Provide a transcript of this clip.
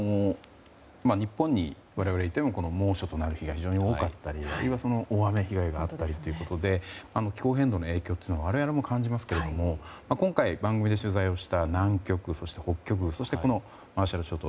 日本も猛暑となる日が多かったりあるいは大雨被害があったりということで、気候変動の影響は我々も感じますけれども今回、番組で取材をした南極、北極そしてマーシャル諸島。